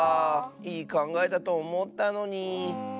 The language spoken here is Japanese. いいかんがえだとおもったのに。